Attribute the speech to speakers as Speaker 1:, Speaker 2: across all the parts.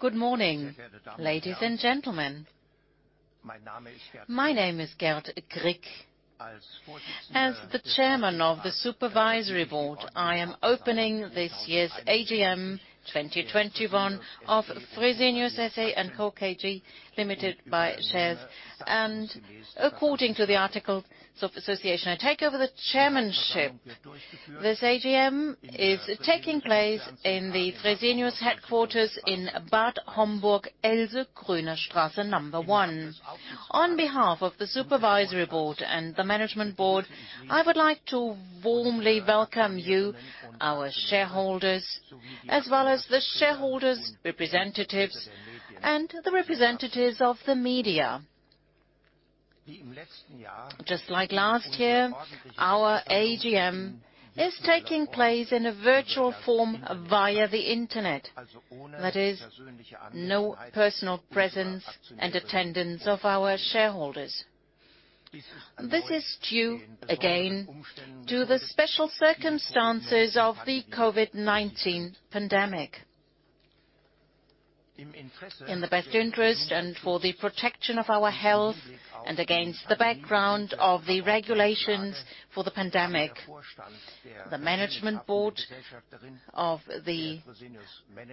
Speaker 1: Good morning, ladies and gentlemen. My name is Gerd Krick. As the Chairman of the Supervisory Board, I am opening this year's AGM 2021 of Fresenius SE & Co. KGaA, limited by shares, and according to the articles of association, I take over the chairmanship. This AGM is taking place in the Fresenius headquarters in Bad Homburg, Else-Kröner-Straße number one. On behalf of the Supervisory Board and the Management Board, I would like to warmly welcome you, our shareholders, as well as the shareholders' representatives and the representatives of the media. Just like last year, our AGM is taking place in a virtual form via the internet. That is, no personal presence and attendance of our shareholders. This is due, again, to the special circumstances of the COVID-19 pandemic. In the best interest and for the protection of our health and against the background of the regulations for the pandemic, the Management Board of the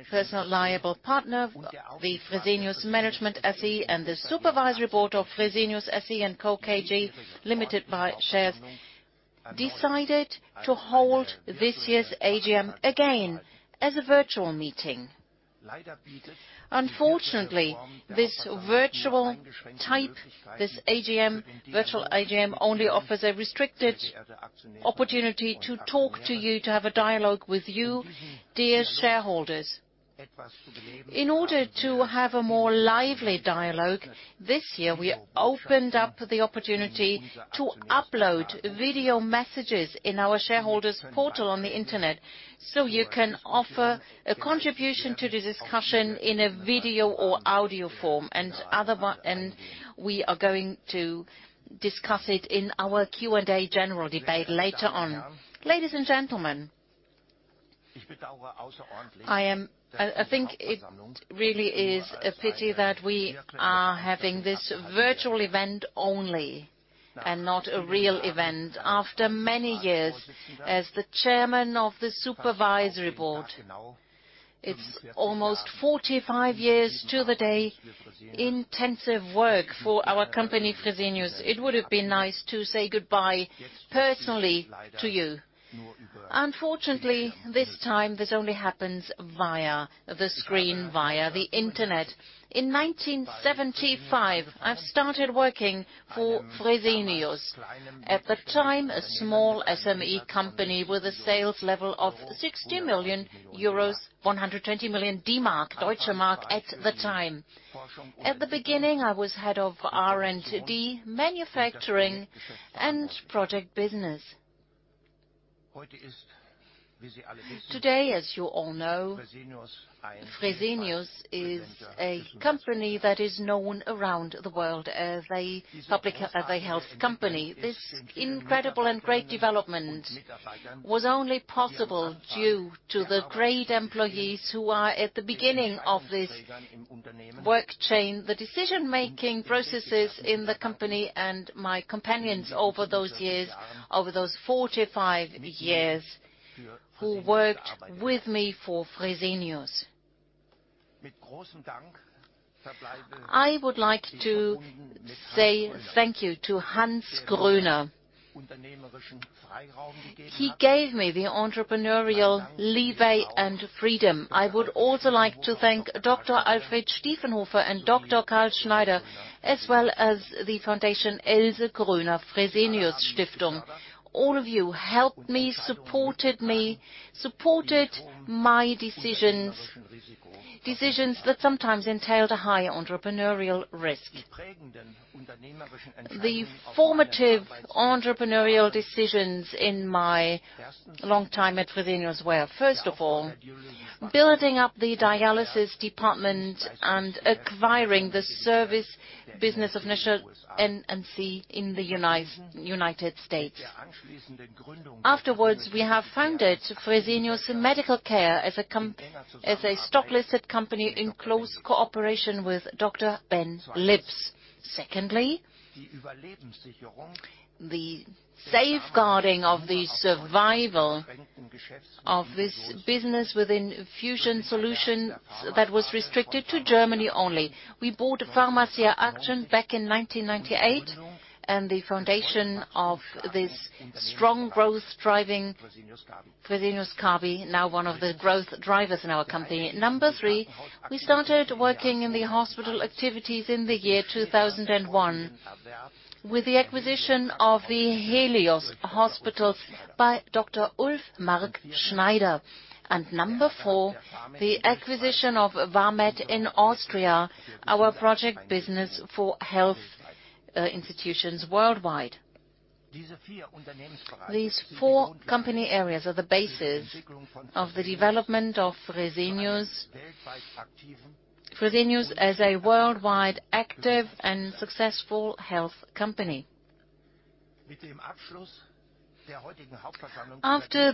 Speaker 1: personally liable partner, the Fresenius Management SE and the Supervisory Board of Fresenius SE & Co. KGaA, limited by shares, decided to hold this year's AGM again as a virtual meeting. Unfortunately, this virtual AGM only offers a restricted opportunity to talk to you, to have a dialogue with you, dear shareholders. In order to have a more lively dialogue, this year we opened up the opportunity to upload video messages in our shareholders portal on the internet. You can offer a contribution to the discussion in a video or audio form, and we are going to discuss it in our Q&A general debate later on. Ladies and gentlemen, I think it really is a pity that we are having this virtual event only and not a real event after many years as the Chairman of the Supervisory Board. It's almost 45 years to the day intensive work for our company, Fresenius. It would have been nice to say goodbye personally to you. Unfortunately, this time this only happens via the screen, via the internet. In 1975, I started working for Fresenius. At the time, a small SME company with a sales level of 60 million euros, DEM 120 million, or German mark at the time. At the beginning, I was Head of R&D, manufacturing, and project business. Today, as you all know, Fresenius is a company that is known around the world as a health company. This incredible and great development was only possible due to the great employees who are at the beginning of this work chain, the decision-making processes in the company, and my companions over those years, over those 45 years who worked with me for Fresenius. I would like to say thank you to Hans Kröner. He gave me the entrepreneurial leeway and freedom. I would also like to thank Dr. Alfred Stiefenhofer and Dr. Karl Schneider, as well as the foundation Else Kröner-Fresenius-Stiftung. All of you helped me, supported me, supported my decisions that sometimes entailed a high entrepreneurial risk. The formative entrepreneurial decisions in my long time at Fresenius were, first of all, building up the dialysis department and acquiring the service business of National Medical Care in the U.S. Afterwards, we have founded Fresenius Medical Care as a stock listed company in close cooperation with Dr. Ben Lipps. Secondly, the safeguarding of the survival of this business with infusion solutions that was restricted to Germany only. We bought Pharmacia & Upjohn back in 1998 and the foundation of this strong growth driving Fresenius Kabi, now one of the growth drivers in our company. Number three, we started working in the hospital activities in the year 2001 with the acquisition of the Helios Hospitals by Dr. Ulf-Mark Schneider. Number four, the acquisition of Vamed in Austria, our project business for health institutions worldwide. These four company areas are the basis of the development of Fresenius as a worldwide active and successful health company. With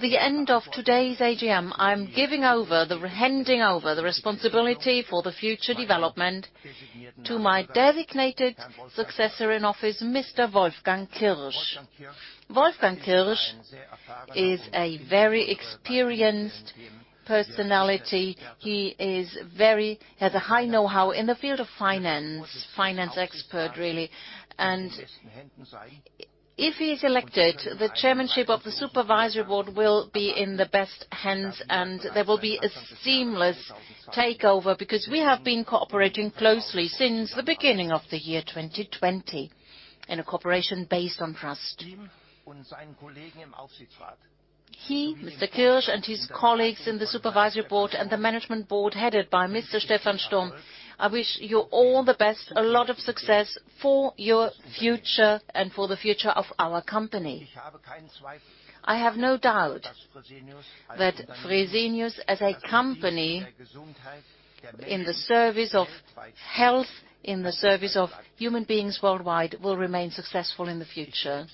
Speaker 1: the end of today's AGM, I am handing over the responsibility for the future development to my designated successor in office, Mr. Wolfgang Kirsch. Wolfgang Kirsch is a very experienced personality. He has a high know-how in the field of finance. Finance expert, really. If he is elected, the chairmanship of the supervisory board will be in the best hands, and there will be a seamless takeover because we have been cooperating closely since the beginning of the year 2020 in a cooperation based on trust. He, Mr. Kirsch, and his colleagues in the Supervisory Board and the Management Board, headed by Mr. Stephan Sturm, I wish you all the best, a lot of success for your future and for the future of our company. I have no doubt that Fresenius as a company, in the service of health, in the service of human beings worldwide, will remain successful in the future.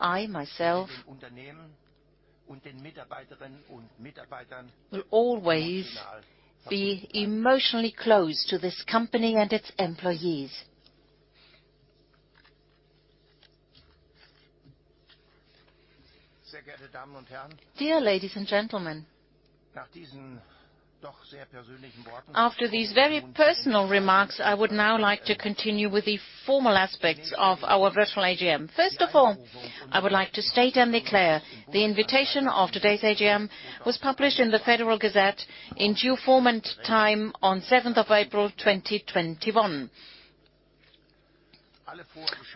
Speaker 1: I, myself, will always be emotionally close to this company and its employees. Dear ladies and gentlemen. After these very personal remarks, I would now like to continue with the formal aspects of our virtual AGM. First of all, I would like to state and declare the invitation of today's AGM was published in the Federal Gazette in due form and time on 7th of April 2021.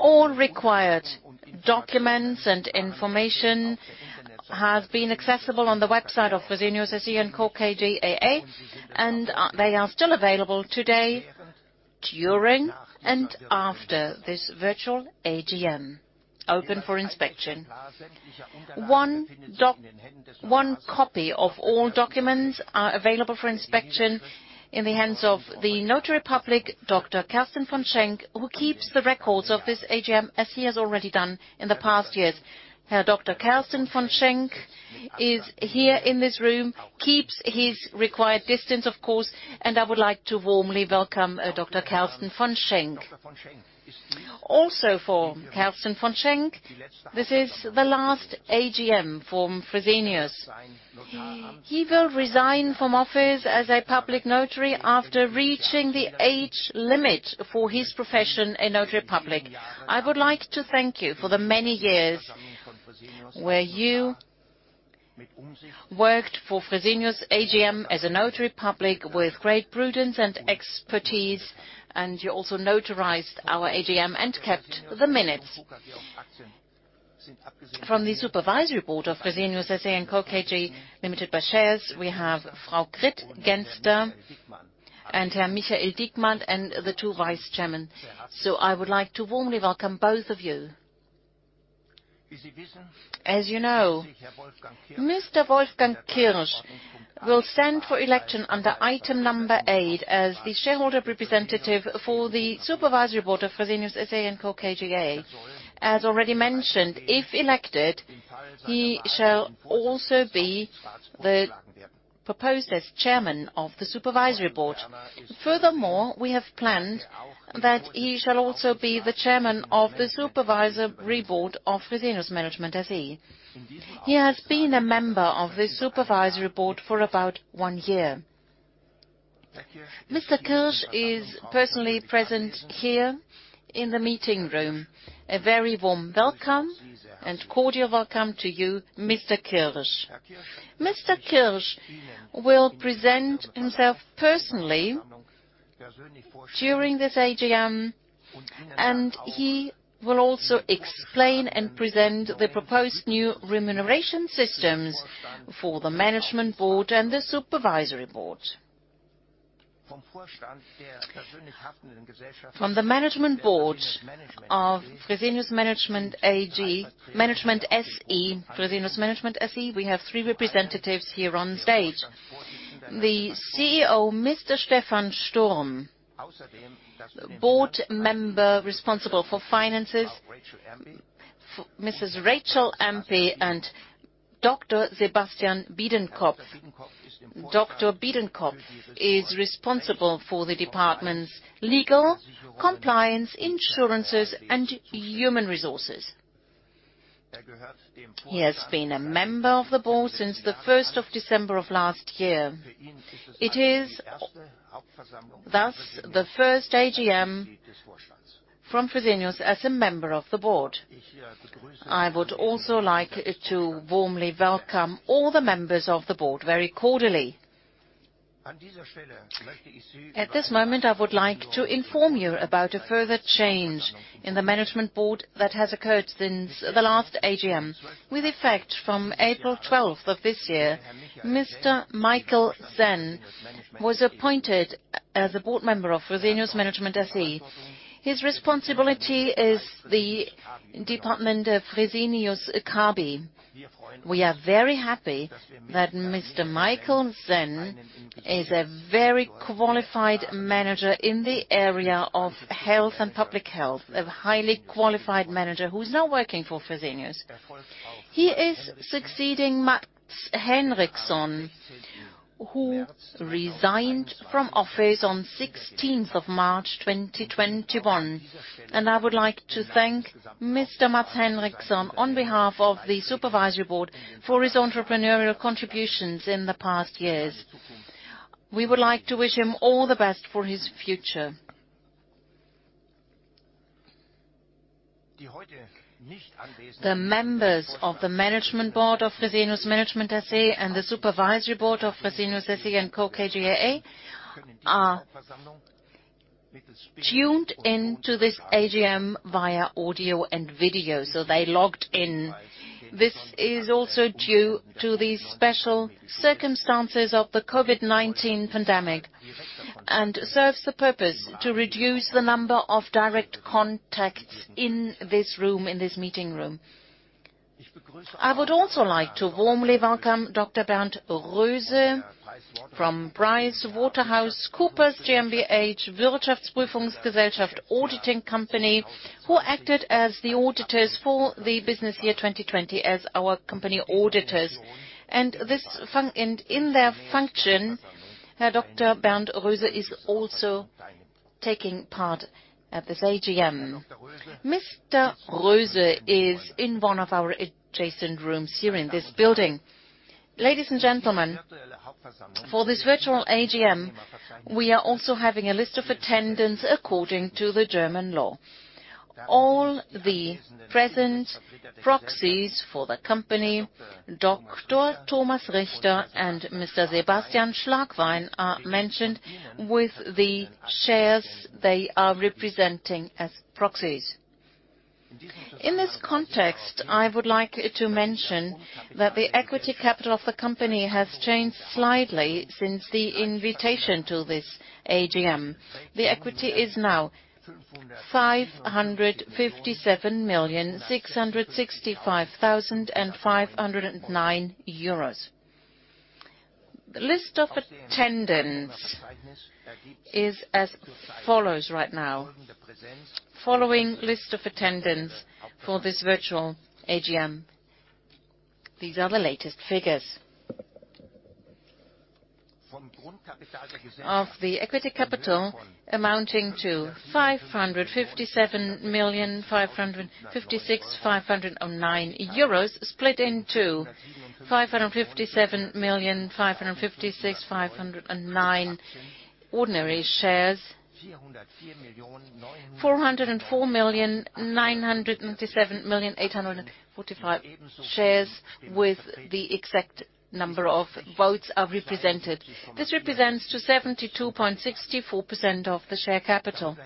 Speaker 1: All required documents and information have been accessible on the website of Fresenius SE & Co. KGaA, and they are still available today, during and after this virtual AGM, open for inspection. One copy of all documents are available for inspection in the hands of the notary public, Dr. Kersten von Schenck, who keeps the records of this AGM as he has already done in the past years. Dr. Kersten von Schenck is here in this room, keeps his required distance, of course, and I would like to warmly welcome Dr. Kersten von Schenck. For Dr. Kersten von Schenck, this is the last AGM for Fresenius. He will resign from office as a public notary after reaching the age limit for his profession, a notary public. I would like to thank you for the many years where you worked for Fresenius AGM as a notary public with great prudence and expertise, and you also notarized our AGM and kept the minutes. From the Supervisory Board of Fresenius SE & Co. KGaA, Limited by Shares, we have Frau Grit Genster and Herr Michael Diekmann, and the two Vice-Chairmen. I would like to warmly welcome both of you. As you know, Mr. Wolfgang Kirsch will stand for election under item number eight as the shareholder representative for the Supervisory Board of Fresenius SE & Co. KGaA. As already mentioned, if elected, he shall also be proposed as Chairman of the Supervisory Board. Furthermore, we have planned that he shall also be the Chairman of the Supervisory Board of Fresenius Management SE. He has been a Member of the Supervisory Board for about one year. Mr. Kirsch is personally present here in the meeting room. A very warm welcome and cordial welcome to you, Mr. Kirsch. Mr. Kirsch will present himself personally during this AGM, and he will also explain and present the proposed new remuneration systems for the Management Board and the Supervisory Board. From the Management Board of Fresenius Management SE, we have three representatives here on stage. The CEO, Mr. Stephan Sturm, Board Member responsible for finances, Mrs. Rachel Empey and Dr. Sebastian Biedenkopf. Dr. Biedenkopf is responsible for the departments legal, compliance, insurances, and human resources. He has been a Member of the Board since the 1st of December of last year. It is, thus, the first AGM from Fresenius as a Member of the Board. I would also like to warmly welcome all the members of the board very cordially. At this moment, I would like to inform you about a further change in the Management Board that has occurred since the last AGM. With effect from April 12th of this year, Mr. Michael Sen was appointed as a Board Member of Fresenius Management SE. His responsibility is the Department of Fresenius Kabi. We are very happy that Mr. Michael Sen is a very qualified manager in the area of health and public health, a highly qualified manager who is now working for Fresenius. He is succeeding Mats Henriksson, who resigned from office on 16th of March 2021. I would like to thank Mr. Mats Henriksson on behalf of the Supervisory Board for his entrepreneurial contributions in the past years. We would like to wish him all the best for his future. The members of the Management Board of Fresenius Management SE and the Supervisory Board of Fresenius SE & Co. KGaA are tuned into this AGM via audio and video, so they logged in. This is also due to the special circumstances of the COVID-19 pandemic and serves the purpose to reduce the number of direct contacts in this meeting room. I would also like to warmly welcome Dr. Bernd Roese from PricewaterhouseCoopers GmbH Wirtschaftsprüfungsgesellschaft auditing company, who acted as the auditors for the business year 2020 as our company auditors. In their function, Dr. Bernd Roese is also taking part at this AGM. Mr. Roese is in one of our adjacent rooms here in this building. Ladies and gentlemen, for this virtual AGM, we are also having a list of attendance according to the German law. All the present proxies for the company, Dr. Thomas Richter and Mr. Sebastian Schlagwein, are mentioned with the shares they are representing as proxies. In this context, I would like to mention that the equity capital of the company has changed slightly since the invitation to this AGM. The equity is now 557,665,509 euros. List of attendance is as follows right now. Following list of attendance for this virtual AGM. These are the latest figures. Of the equity capital amounting to 557,556,509 euros split into 557,556,509 ordinary shares, 404,997,845 shares with the exact number of votes are represented. This represents 72.64% of the share capital.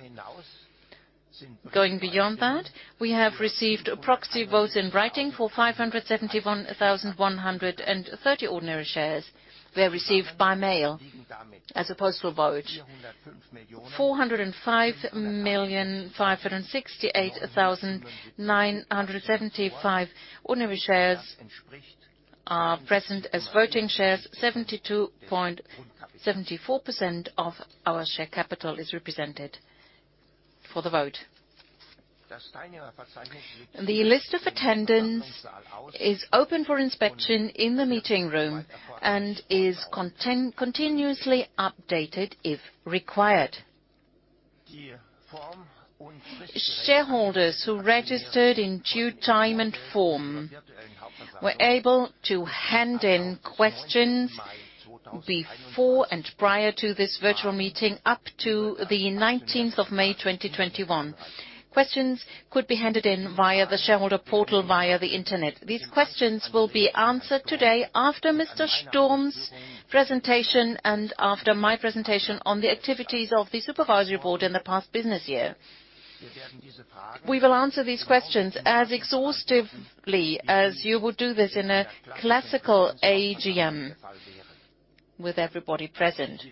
Speaker 1: We have received proxy votes in writing for 571,130 ordinary shares. They were received by mail as a postal vote. 405,568,975 ordinary shares are present as voting shares. 72.74% of our share capital is represented for the vote. The list of attendance is open for inspection in the meeting room and is continuously updated if required. Shareholders who registered in due time and form were able to hand in questions before and prior to this virtual meeting up to the 19th of May 2021. Questions could be handed in via the shareholder portal via the Internet. These questions will be answered today after Mr. Sturm's presentation and after my presentation on the activities of the Supervisory Board in the past business year. We will answer these questions as exhaustively as you would do this in a classical AGM with everybody present.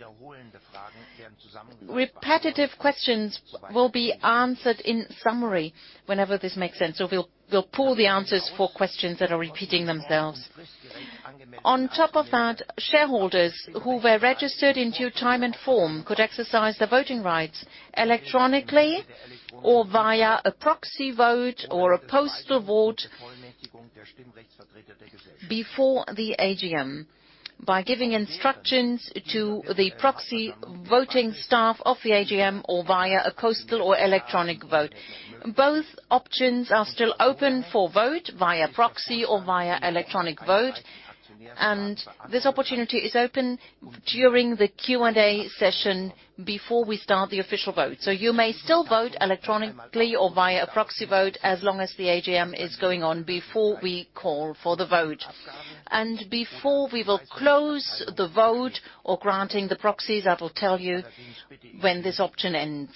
Speaker 1: Repetitive questions will be answered in summary whenever this makes sense. We'll pool the answers for questions that are repeating themselves. On top of that, shareholders who were registered in due time and form could exercise their voting rights electronically or via a proxy vote or a postal vote before the AGM by giving instructions to the proxy voting staff of the AGM or via a postal or electronic vote. Both options are still open for vote via proxy or via electronic vote, and this opportunity is open during the Q&A session before we start the official vote. You may still vote electronically or via proxy vote as long as the AGM is going on before we call for the vote. Before we will close the vote or granting the proxies, I will tell you when this option ends.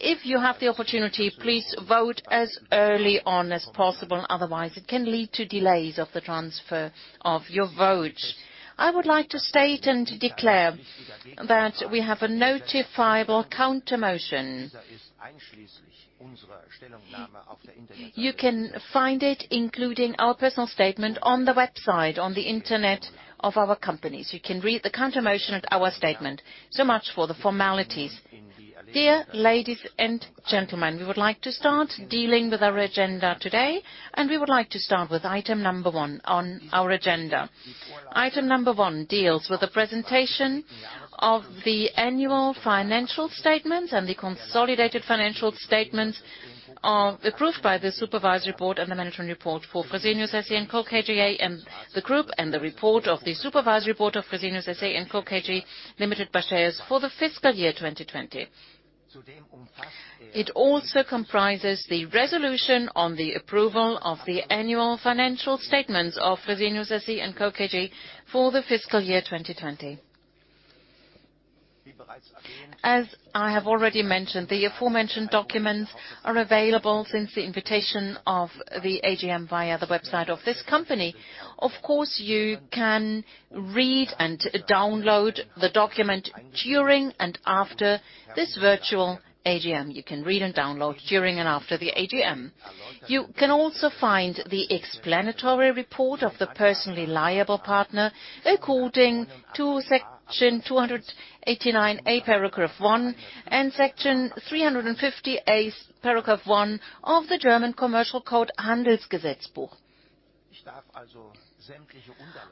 Speaker 1: If you have the opportunity, please vote as early on as possible, otherwise it can lead to delays of the transfer of your vote. I would like to state and declare that we have a notifiable counter motion. You can find it including our personal statement on the website on the Internet of our company. You can read the counter motion and our statement. So much for the formalities. Dear ladies and gentlemen, we would like to start dealing with our agenda today, and we would like to start with item number one on our agenda. Item number one deals with the presentation of the annual financial statements and the consolidated financial statements of the group by the Supervisory Board and the management report for Fresenius SE & Co. KGaA and the group and the report of the Supervisory Board of Fresenius SE & Co. KGaA, Limited by Shares, for the fiscal year 2020. It also comprises the resolution on the approval of the annual financial statements of Fresenius SE & Co. KGaA for the fiscal year 2020. As I have already mentioned, the aforementioned documents are available since the invitation of the AGM via the website of this company. Of course, you can read and download the document during and after this virtual AGM. You can read and download during and after the AGM. You can also find the explanatory report of the personally liable partner according to Section 289a, paragraph one, and Section 358, paragraph one of the German Commercial Code, Handelsgesetzbuch.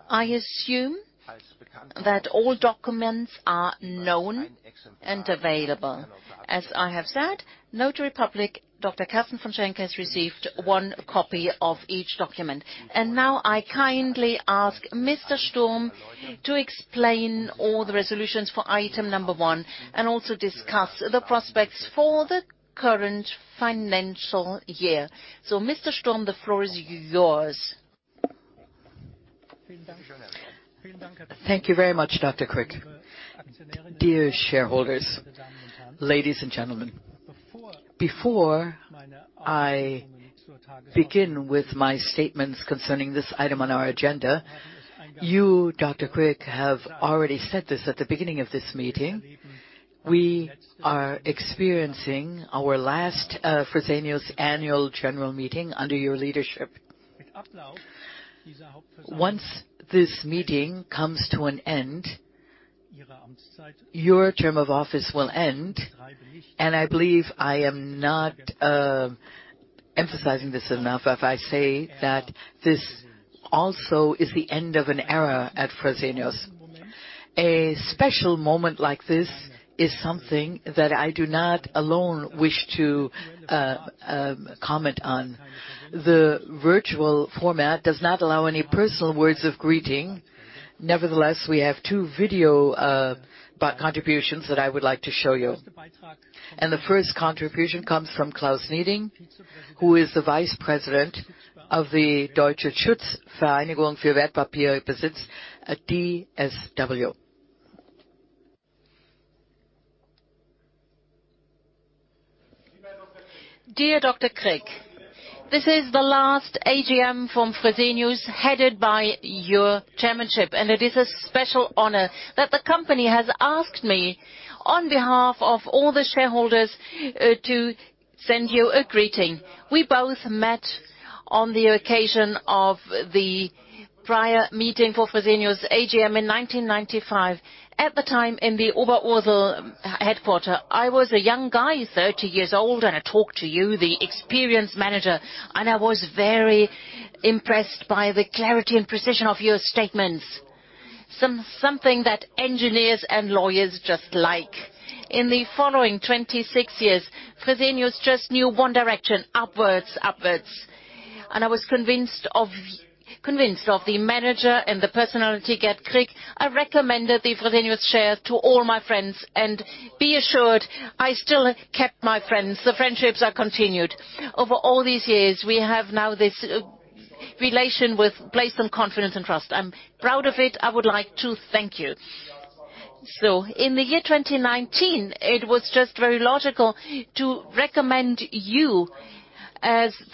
Speaker 1: I assume that all documents are known and available. As I have said, Notary Public Dr. Kersten von Schenck has received one copy of each document. Now I kindly ask Mr. Sturm to explain all the resolutions for item number one and also discuss the prospects for the current financial year. Mr. Sturm, the floor is yours.
Speaker 2: Thank you very much, Dr. Krick. Dear shareholders, ladies and gentlemen. Before I begin with my statements concerning this item on our agenda, you, Dr. Krick, have already said this at the beginning of this meeting: We are experiencing our last Fresenius annual general meeting under your leadership. Once this meeting comes to an end, your term of office will end, and I believe I am not emphasizing this enough if I say that this also is the end of an era at Fresenius. A special moment like this is something that I do not alone wish to comment on. The virtual format does not allow any personal words of greeting. Nevertheless, we have two video contributions that I would like to show you. The first contribution comes from Klaus Nieding, who is the vice president of the Deutsche Schutzvereinigung für Wertpapierbesitz, DSW.
Speaker 3: Dear Dr. Krick, this is the last AGM from Fresenius headed by your chairmanship. It is a special honor that the company has asked me on behalf of all the shareholders to send you a greeting. We both met on the occasion of the prior meeting for Fresenius AGM in 1995. At the time in the Oberursel headquarters. I was a young guy, 30 years old, and I talked to you, the experienced manager, and I was very impressed by the clarity and precision of your statements. Something that engineers and lawyers just like. In the following 26 years, Fresenius just knew one direction: upwards. I was convinced of the manager and the personality Gerd Krick. I recommended the Fresenius shares to all my friends and be assured I still kept my friends. The friendships are continued. Over all these years, we have now this relation with place of confidence and trust. I'm proud of it. I would like to thank you. In the year 2019, it was just very logical to recommend you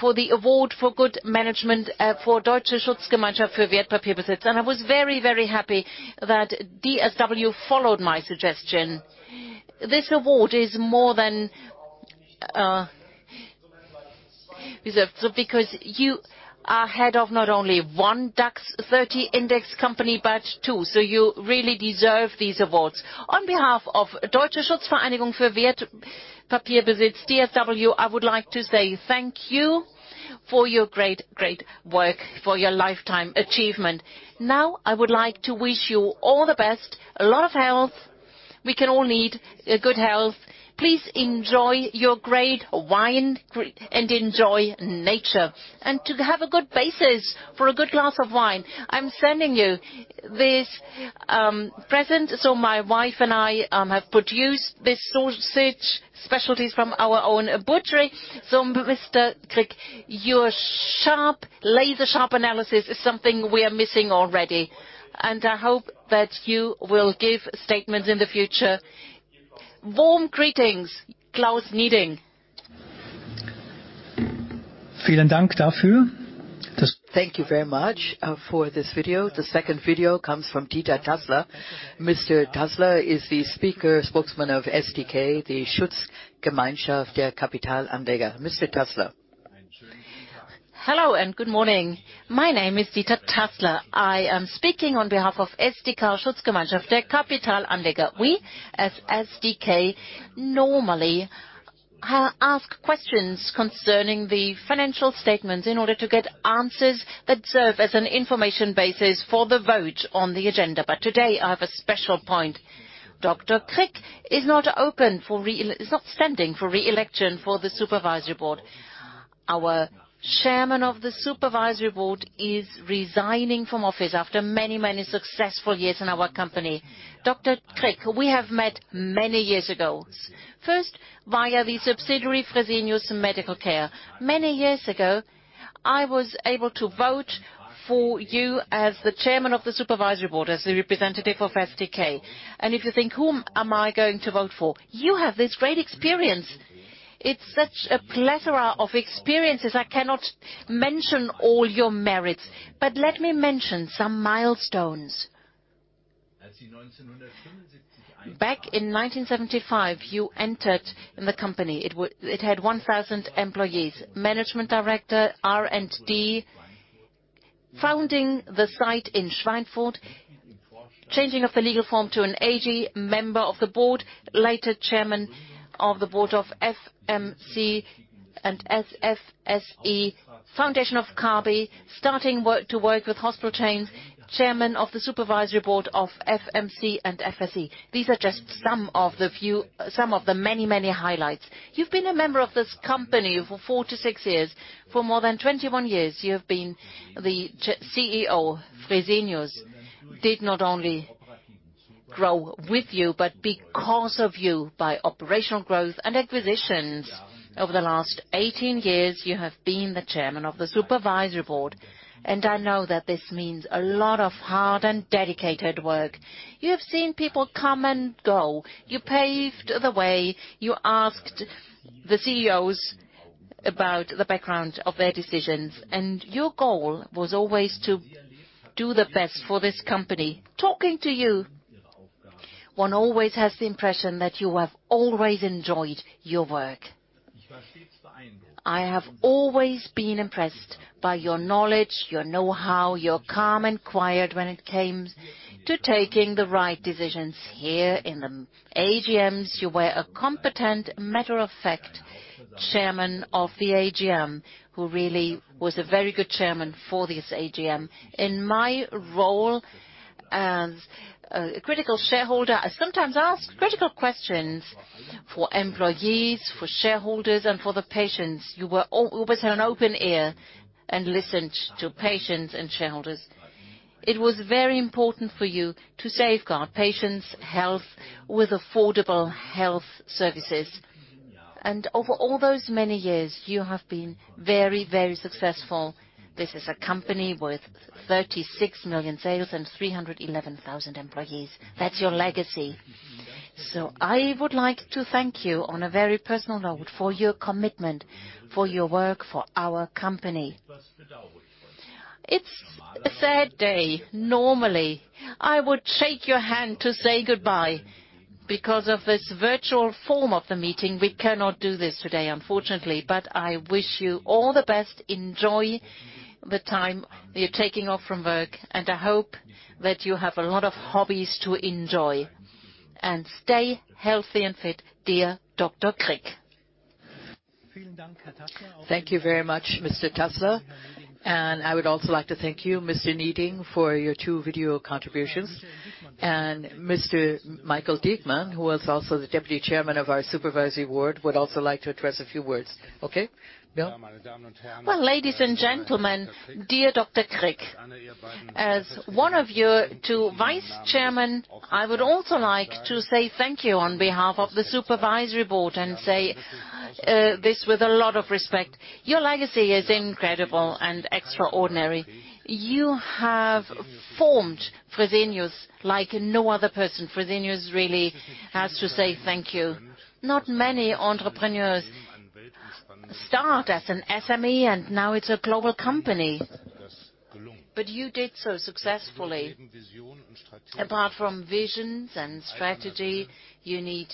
Speaker 3: for the award for good management for Deutsche Schutzvereinigung für Wertpapierbesitz, and I was very happy that DSW followed my suggestion. This award is more than reserved because you are head of not only one DAX 30 index company, but two, so you really deserve these awards. On behalf of Deutsche Schutzvereinigung für Wertpapierbesitz, DSW, I would like to say thank you for your great work, for your lifetime achievement. Now I would like to wish you all the best, a lot of health. We can all need good health. Please enjoy your great wine and enjoy nature. To have a good basis for a good glass of wine, I'm sending you this present. My wife and I have produced this sausage specialty from our own butchery. Mr. Krick, your laser-sharp analysis is something we are missing already. I hope that you will give statements in the future. Warm greetings, Klaus Nieding.
Speaker 2: Thank you very much for this video. The second video comes from Dieter Tassler. Mr. Tassler is the spokesman of SdK, the Schutzgemeinschaft der Kapitalanleger e.V. Mr. Tassler.
Speaker 4: Hello, good morning. My name is Dieter Tassler. I am speaking on behalf of SdK, Schutzgemeinschaft der Kapitalanleger. We, as SdK, normally ask questions concerning the financial statements in order to get answers that serve as an information basis for the vote on the agenda. Today, I have a special point. Dr. Krick is not standing for re-election for the supervisory board. Our Chairman of the Supervisory Board is resigning from office after many successful years in our company. Dr. Krick, we have met many years ago, first via the subsidiary Fresenius Medical Care. Many years ago, I was able to vote for you as the Chairman of the Supervisory Board, as the representative of SdK. If you think, whom am I going to vote for? You have this great experience. It's such a plethora of experiences. I cannot mention all your merits. Let me mention some milestones. Back in 1975, you entered the company. It had 1,000 employees. Management director, R&D, founding the site in Schweinfurt, changing of the legal form to an AG Member of the Board, later Chairman of the Board of FMC and FSE, foundation of Kabi, starting to work with hospital chains, Chairman of the Supervisory Board of FMC and FSE. These are just some of the many highlights. You've been a member of this company for 46 years. For more than 21 years, you have been the CEO. Fresenius did not only grow with you, but because of you, by operational growth and acquisitions. Over the last 18 years, you have been the Chairman of the Supervisory Board, and I know that this means a lot of hard and dedicated work. You have seen people come and go. You paved the way. You asked the CEOs about the background of their decisions, and your goal was always to do the best for this company. Talking to you, one always has the impression that you have always enjoyed your work. I have always been impressed by your knowledge, your know-how, your calm and quiet when it came to taking the right decisions here in the AGMs. You were a competent, matter-of-fact chairman of the AGM, who really was a very good chairman for this AGM. In my role as a critical shareholder, I sometimes ask critical questions for employees, for shareholders, and for the patients. You were always an open ear and listened to patients and shareholders. It was very important for you to safeguard patients' health with affordable health services. Over all those many years, you have been very successful. This is a company with 36 million sales and 311,000 employees. That's your legacy. I would like to thank you on a very personal note for your commitment, for your work, for our company. It's a sad day. Normally, I would shake your hand to say goodbye. Because of this virtual form of the meeting, we cannot do this today, unfortunately, but I wish you all the best. Enjoy the time you're taking off from work, and I hope that you have a lot of hobbies to enjoy. Stay healthy and fit, dear Dr. Krick.
Speaker 2: Thank you very much, Mr. Tassler. I would also like to thank you, Mr. Nieding, for your two video contributions. Mr. Michael Diekmann, who was also the Deputy Chairman of our Supervisory Board, would also like to address a few words. Okay? Yeah.
Speaker 5: Ladies and gentlemen, dear Dr. Krick. As one of your two vice-chairmen, I would also like to say thank you on behalf of the Supervisory Board and say this with a lot of respect. Your legacy is incredible and extraordinary. You have formed Fresenius like no other person. Fresenius really has to say thank you. Not many entrepreneurs start as an SME, now it's a global company. You did so successfully. Apart from visions and strategy, you need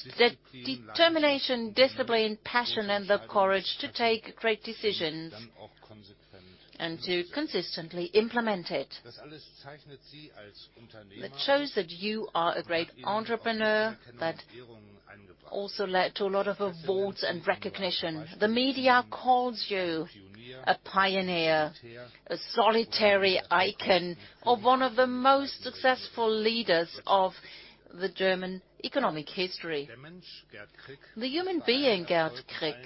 Speaker 5: determination, discipline, passion, and the courage to take great decisions and to consistently implement it. That shows that you are a great entrepreneur that also led to a lot of awards and recognition. The media calls you a pioneer, a solitary icon, or one of the most successful leaders of the German economic history. The human being, Gerd Krick,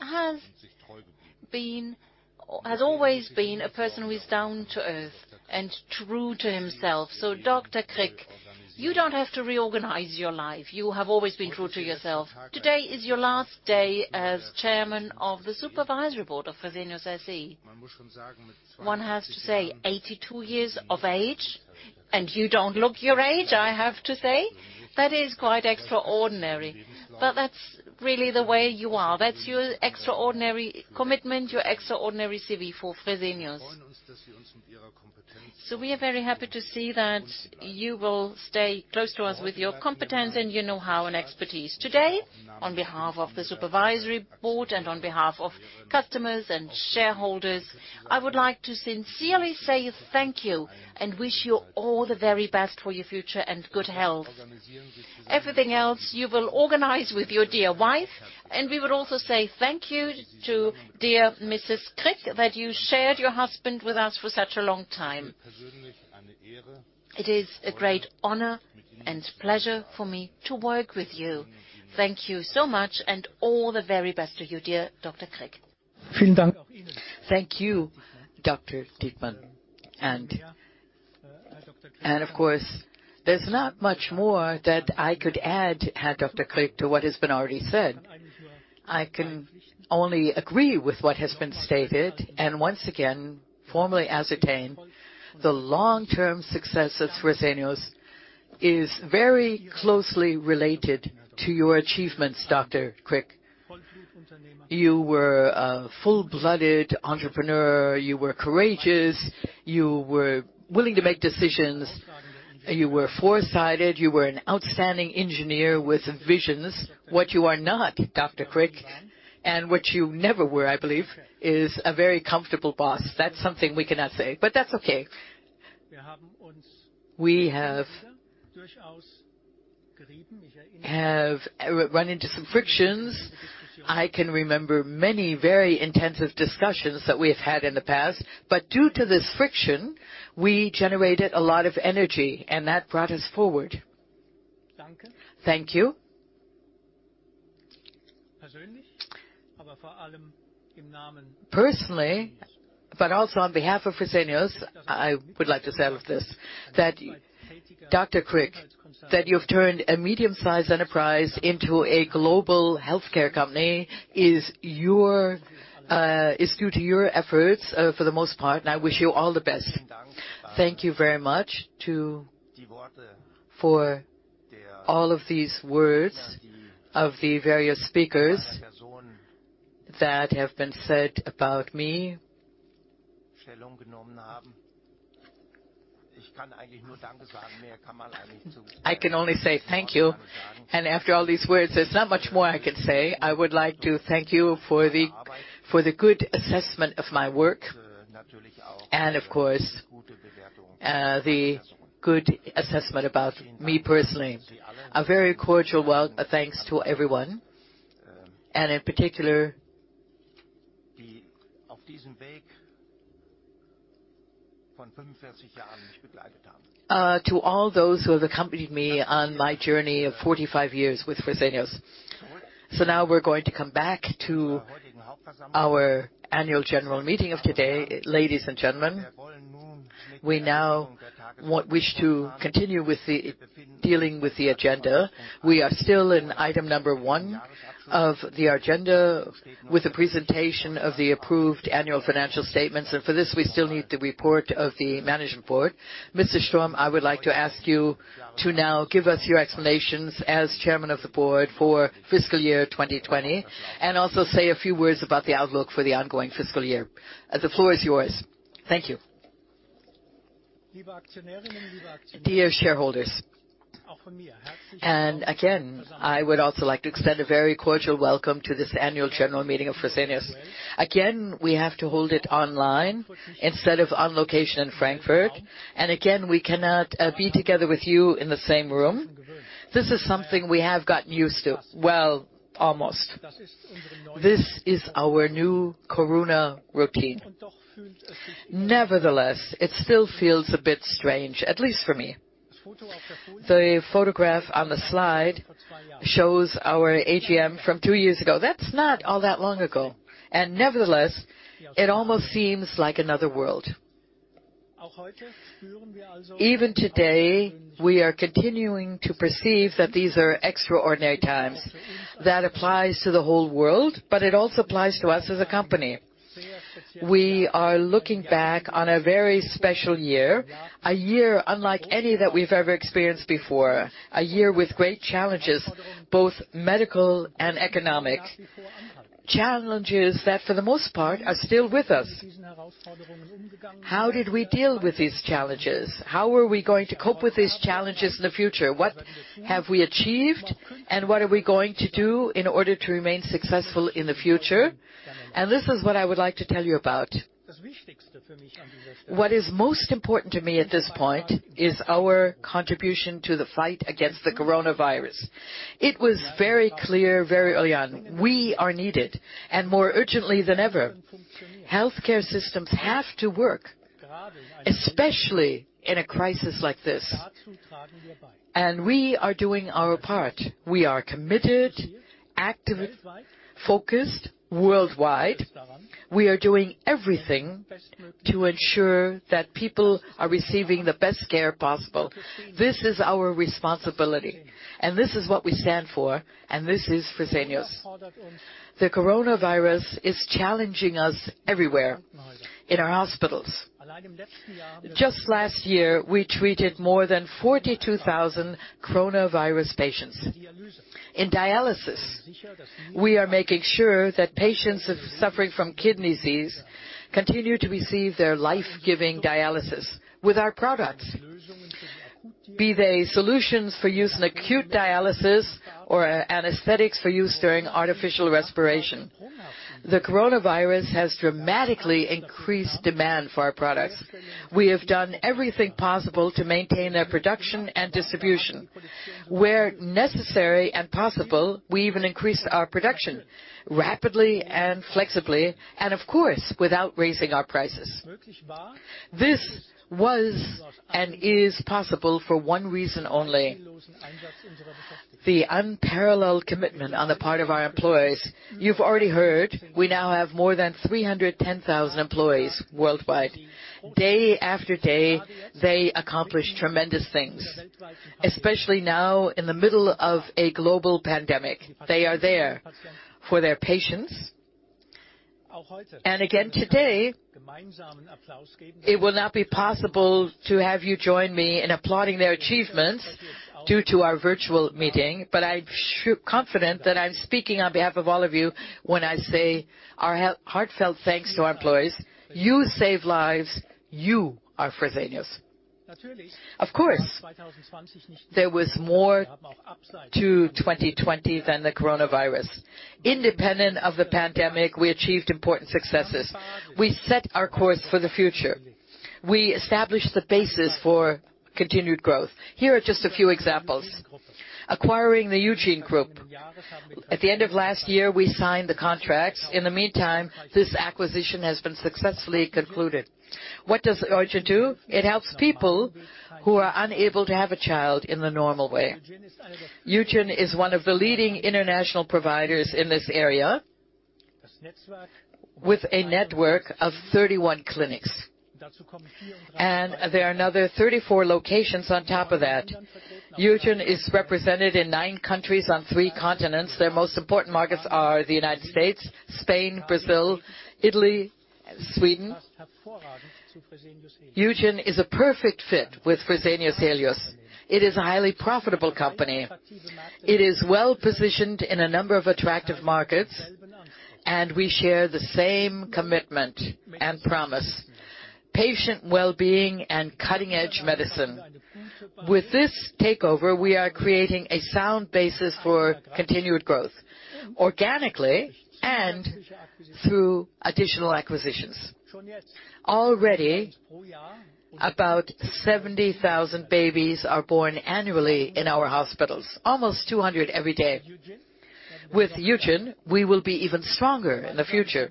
Speaker 5: has always been a person who is down to earth and true to himself. Dr. Krick, you don't have to reorganize your life. You have always been true to yourself. Today is your last day as Chairman of the Supervisory Board of Fresenius SE. One has to say, 82 years of age, and you don't look your age, I have to say. That is quite extraordinary. That's really the way you are. That's your extraordinary commitment, your extraordinary CV for Fresenius. We are very happy to see that you will stay close to us with your competence and your know-how and expertise. Today, on behalf of the supervisory board and on behalf of customers and shareholders, I would like to sincerely say thank you and wish you all the very best for your future and good health. Everything else you will organize with your dear wife. We would also say thank you to dear Mrs. Krick that you shared your husband with us for such a long time. It is a great honor and pleasure for me to work with you. Thank you so much and all the very best to you, dear Dr. Krick.
Speaker 2: Thank you, Dr. Diekmann. Of course, there's not much more that I could add, Dr. Krick, to what has been already said. I can only agree with what has been stated, and once again, formally ascertain the long-term success of Fresenius is very closely related to your achievements, Dr. Krick. You were a full-blooded entrepreneur. You were courageous. You were willing to make decisions. You were foresighted. You were an outstanding engineer with visions. What you are not, Dr. Krick, and what you never were, I believe, is a very comfortable boss. That's something we cannot say. That's okay. We have run into some frictions. I can remember many very intensive discussions that we have had in the past, but due to this friction, we generated a lot of energy, and that brought us forward. Thank you. Personally, but also on behalf of Fresenius, I would like to say this, that Dr. Krick, that you've turned a medium-sized enterprise into a global healthcare company is due to your efforts for the most part. I wish you all the best.
Speaker 1: Thank you very much for all of these words of the various speakers that have been said about me. I can only say thank you. After all these words, there's not much more I can say. I would like to thank you for the good assessment of my work, and of course, the good assessment about me personally. A very cordial thanks to everyone. In particular, to all those who have accompanied me on my journey of 45 years with Fresenius. Now we're going to come back to our annual general meeting of today. Ladies and gentlemen, we now wish to continue with dealing with the agenda. We are still in item one of the agenda with the presentation of the approved annual financial statements. For this, we still need the report of the Management Board. Mr. Sturm, I would like to ask you to now give us your explanations as Chairman of the Board for fiscal year 2020 and also say a few words about the outlook for the ongoing fiscal year. The floor is yours.
Speaker 2: Thank you. Dear shareholders. Again, I would also like to extend a very cordial welcome to this annual general meeting of Fresenius. Again, we have to hold it online instead of on location in Frankfurt. Again, we cannot be together with you in the same room. This is something we have gotten used to. Well, almost. This is our new corona routine. Nevertheless, it still feels a bit strange, at least for me. The photograph on the slide shows our AGM from two years ago. That's not all that long ago, and nevertheless, it almost seems like another world. Even today, we are continuing to perceive that these are extraordinary times. That applies to the whole world, but it also applies to us as a company. We are looking back on a very special year, a year unlike any that we've ever experienced before, a year with great challenges, both medical and economic. Challenges that for the most part are still with us. How did we deal with these challenges? How are we going to cope with these challenges in the future? What have we achieved, and what are we going to do in order to remain successful in the future? This is what I would like to tell you about. What is most important to me at this point is our contribution to the fight against the coronavirus. It was very clear very early on, we are needed, and more urgently than ever. Healthcare systems have to work, especially in a crisis like this. We are doing our part. We are committed, active, focused worldwide. We are doing everything to ensure that people are receiving the best care possible. This is our responsibility, and this is what we stand for, and this is Fresenius. The coronavirus is challenging us everywhere in our hospitals. Just last year, we treated more than 42,000 coronavirus patients. In dialysis, we are making sure that patients suffering from kidney disease continue to receive their life-giving dialysis with our products, be they solutions for use in acute dialysis or anesthetics for use during artificial respiration. The coronavirus has dramatically increased demand for our products. We have done everything possible to maintain their production and distribution. Where necessary and possible, we even increased our production rapidly and flexibly, and of course, without raising our prices. This was and is possible for one reason only, the unparalleled commitment on the part of our employees. You've already heard, we now have more than 310,000 employees worldwide. Day after day, they accomplish tremendous things, especially now in the middle of a global pandemic. They are there for their patients. Again, today, it will not be possible to have you join me in applauding their achievements due to our virtual meeting, but I'm confident that I'm speaking on behalf of all of you when I say our heartfelt thanks to our employees. You save lives. You are Fresenius. Of course, there was more to 2020 than the coronavirus. Independent of the pandemic, we achieved important successes. We set our course for the future. We established the basis for continued growth. Here are just a few examples. Acquiring the Eugin Group. At the end of last year, we signed the contracts. In the meantime, this acquisition has been successfully concluded. What does it do? It helps people who are unable to have a child in the normal way. Eugin is one of the leading international providers in this area with a network of 31 clinics, and there are another 34 locations on top of that. Eugin is represented in nine countries on three continents. Their most important markets are the United States, Spain, Brazil, Italy, Sweden. Eugin is a perfect fit with Fresenius Helios. It is a highly profitable company. It is well-positioned in a number of attractive markets, and we share the same commitment and promise: patient well-being and cutting-edge medicine. With this takeover, we are creating a sound basis for continued growth, organically and through additional acquisitions. Already, about 70,000 babies are born annually in our hospitals, almost 200 every day. With Eugin, we will be even stronger in the future.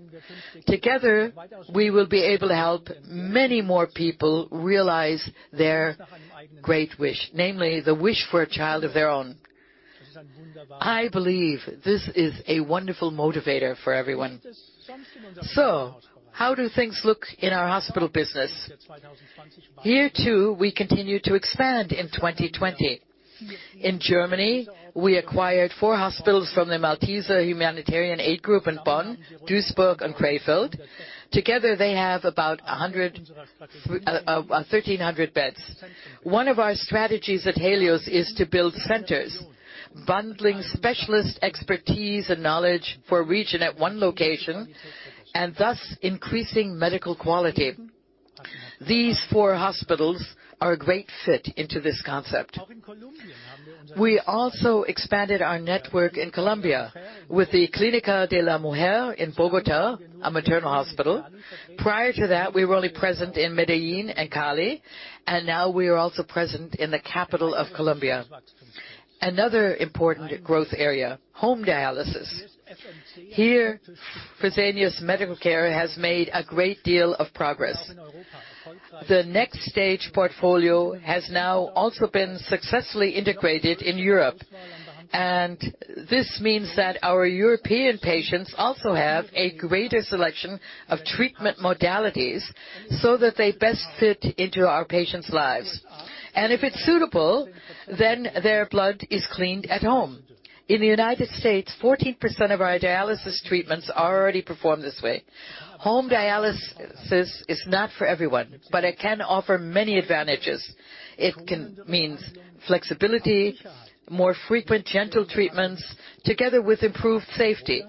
Speaker 2: Together, we will be able to help many more people realize their great wish, namely the wish for a child of their own. I believe this is a wonderful motivator for everyone. How do things look in our hospital business? Here, too, we continued to expand in 2020. In Germany, we acquired four hospitals from the Malteser humanitarian aid group in Bonn, Duisburg, and Krefeld. Together, they have about 1,300 beds. One of our strategies at Helios is to build centers, bundling specialist expertise and knowledge for a region at one location and thus increasing medical quality. These four hospitals are a great fit into this concept. We also expanded our network in Colombia with the Clínica de la Mujer in Bogotá, a maternal hospital. Prior to that, we were only present in Medellín and Cali, and now we are also present in the capital of Colombia. Another important growth area, home dialysis. Here, Fresenius Medical Care has made a great deal of progress. The NxStage portfolio has now also been successfully integrated in Europe, and this means that our European patients also have a greater selection of treatment modalities so that they best fit into our patients' lives. If it's suitable, then their blood is cleaned at home. In the U.S., 14% of our dialysis treatments are already performed this way. Home dialysis is not for everyone, but it can offer many advantages. It can mean flexibility, more frequent gentle treatments together with improved safety,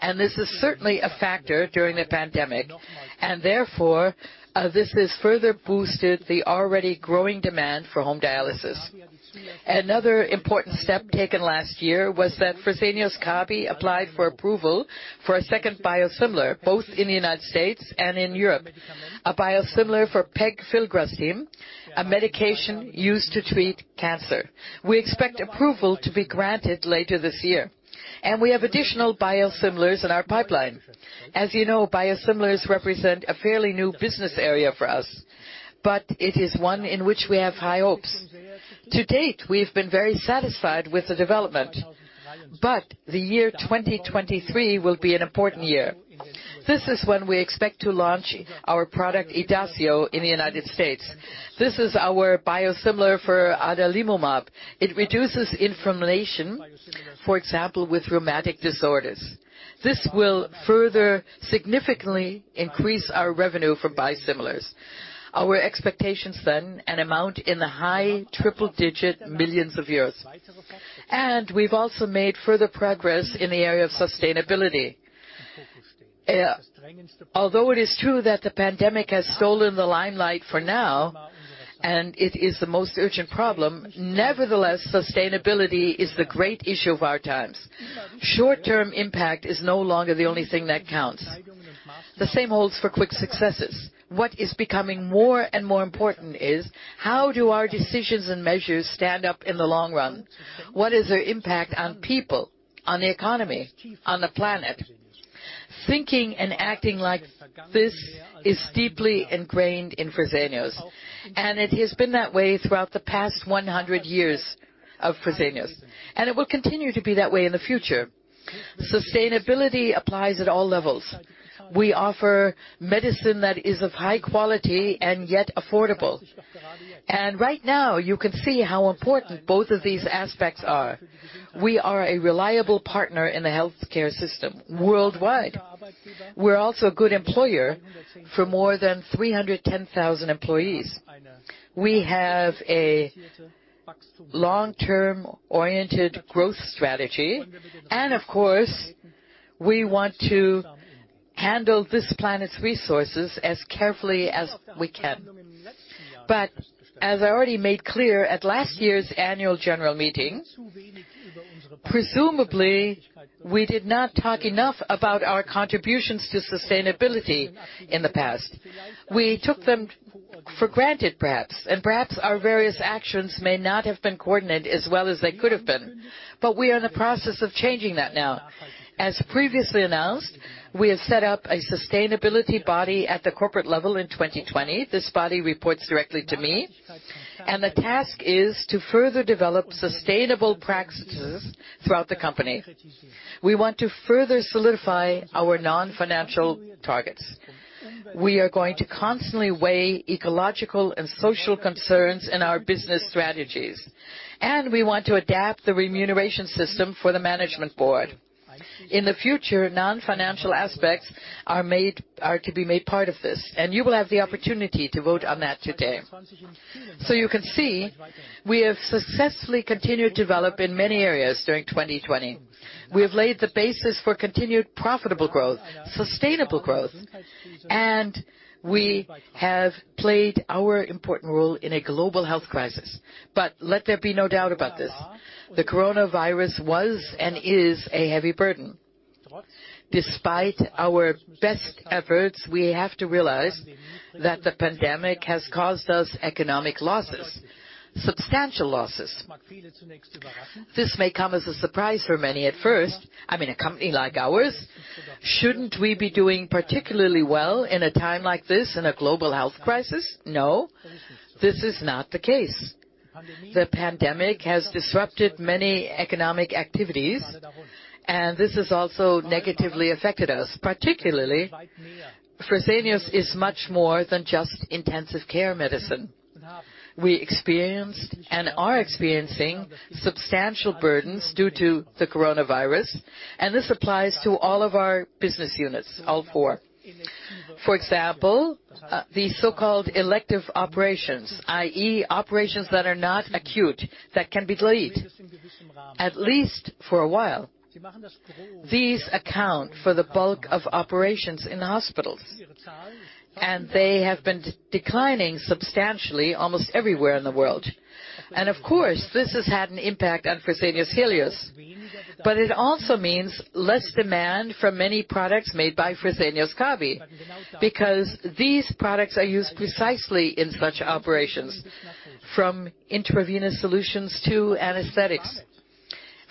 Speaker 2: and this is certainly a factor during a pandemic. Therefore, this has further boosted the already growing demand for home dialysis. Another important step taken last year was that Fresenius Kabi applied for approval for a second biosimilar, both in the U.S. and in Europe. A biosimilar for pegfilgrastim, a medication used to treat cancer. We expect approval to be granted later this year. We have additional biosimilars in our pipeline. As you know, biosimilars represent a fairly new business area for us, but it is one in which we have high hopes. To date, we have been very satisfied with the development. The year 2023 will be an important year. This is when we expect to launch our product, IDACIO, in the U.S. This is our biosimilar for adalimumab. It reduces inflammation, for example, with rheumatic disorders. This will further significantly increase our revenue for biosimilars. Our expectations then amount in the high triple-digit millions of euros. We've also made further progress in the area of sustainability. Although it is true that the pandemic has stolen the limelight for now, and it is the most urgent problem, nevertheless, sustainability is the great issue of our times. Short-term impact is no longer the only thing that counts. The same holds for quick successes. What is becoming more and more important is, how do our decisions and measures stand up in the long run? What is their impact on people, on the economy, on the planet? Thinking and acting like this is deeply ingrained in Fresenius, it has been that way throughout the past 100 years of Fresenius. It will continue to be that way in the future. Sustainability applies at all levels. We offer medicine that is of high quality and yet affordable. Right now, you can see how important both of these aspects are. We are a reliable partner in the healthcare system worldwide. We're also a good employer for more than 310,000 employees. We have a long-term oriented growth strategy and of course, we want to handle this planet's resources as carefully as we can. As I already made clear at last year's annual general meeting, presumably, we did not talk enough about our contributions to sustainability in the past. We took them for granted, perhaps. Perhaps our various actions may not have been coordinated as well as they could have been. We are in the process of changing that now. As previously announced, we have set up a sustainability body at the corporate level in 2020. This body reports directly to me, and the task is to further develop sustainable practices throughout the company. We want to further solidify our non-financial targets. We are going to constantly weigh ecological and social concerns in our business strategies. We want to adapt the remuneration system for the Management Board. In the future, non-financial aspects are to be made part of this, and you will have the opportunity to vote on that today. You can see, we have successfully continued to develop in many areas during 2020. We have laid the basis for continued profitable growth, sustainable growth, and we have played our important role in a global health crisis. Let there be no doubt about this. The coronavirus was and is a heavy burden. Despite our best efforts, we have to realize that the pandemic has caused us economic losses, substantial losses. This may come as a surprise for many at first. I mean, a company like ours? Shouldn't we be doing particularly well in a time like this in a global health crisis? No, this is not the case. The pandemic has disrupted many economic activities, and this has also negatively affected us. Particularly, Fresenius is much more than just intensive care medicine. We experienced and are experiencing substantial burdens due to the coronavirus, and this applies to all of our business units, all four. For example, the so-called elective operations, i.e., operations that are not acute, that can be delayed, at least for a while. These account for the bulk of operations in the hospitals, and they have been declining substantially almost everywhere in the world. Of course, this has had an impact on Fresenius Helios. It also means less demand for many products made by Fresenius Kabi because these products are used precisely in such operations, from intravenous solutions to anesthetics.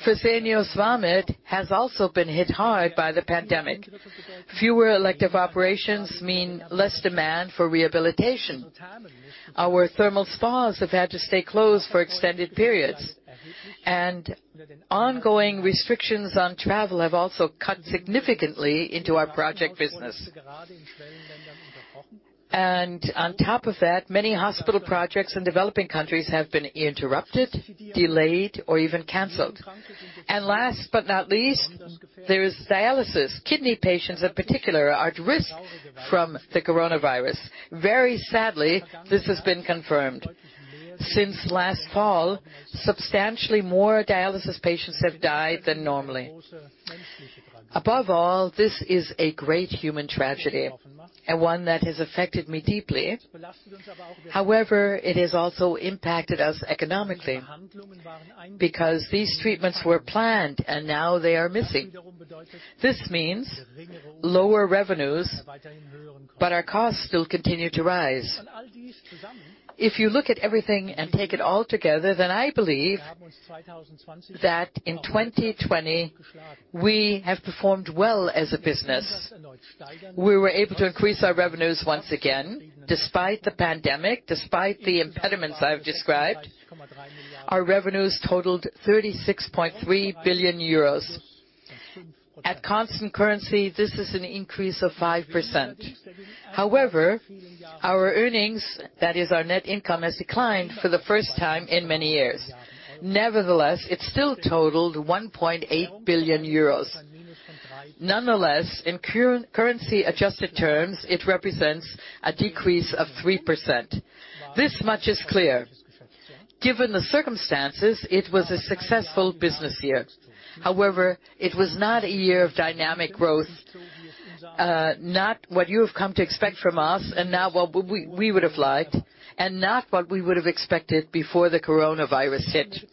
Speaker 2: Fresenius Vamed has also been hit hard by the pandemic. Fewer elective operations mean less demand for rehabilitation. Our thermal spas have had to stay closed for extended periods, and ongoing restrictions on travel have also cut significantly into our project business. On top of that, many hospital projects in developing countries have been interrupted, delayed, or even canceled. Last but not least, there is dialysis. Kidney patients, in particular, are at risk from the coronavirus. Very sadly, this has been confirmed. Since last fall, substantially more dialysis patients have died than normally. Above all, this is a great human tragedy. One that has affected me deeply. However, it has also impacted us economically, because these treatments were planned, and now they are missing. This means lower revenues, but our costs still continue to rise. If you look at everything and take it all together, I believe that in 2020, we have performed well as a business. We were able to increase our revenues once again, despite the pandemic, despite the impediments I have described. Our revenues totaled 36.3 billion euros. At constant currency, this is an increase of 5%. However, our earnings, that is our net income, has declined for the first time in many years. Nevertheless, it still totaled 1.8 billion euros. Nonetheless, in currency-adjusted terms, it represents a decrease of 3%. This much is clear. Given the circumstances, it was a successful business year. However, it was not a year of dynamic growth, not what you have come to expect from us and not what we would have liked, and not what we would have expected before the coronavirus hit.